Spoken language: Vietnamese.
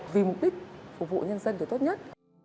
vì mục đích phục vụ nhân dân được tốt nhất